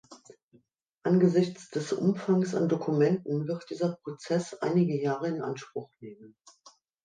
Angesichts des Umfangs an Dokumenten wird dieser Prozess einige Jahre in Anspruch nehmen.